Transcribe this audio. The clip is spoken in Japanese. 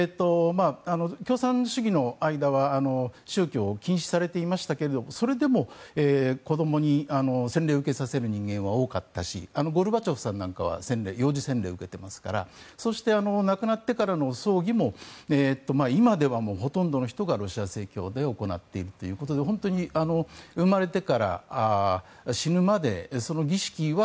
共産主義の間は宗教、禁止されていましたがそれでも子どもに洗礼を受けさせる人間は多かったしゴルバチョフさんなんかは幼児洗礼を受けていますからそして、亡くなってからの葬儀も今ではほとんどの人がロシア正教で行っているということで本当に生まれてから死ぬまでその儀式は